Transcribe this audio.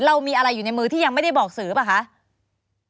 เรามีอะไรอยู่ในมือที่ยังไม่ได้บอกสื่อหรือเปล่าคะ